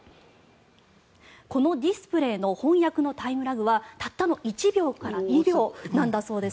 このディスプレーの翻訳のタイムラグはたったの１秒から２秒なんだそうです。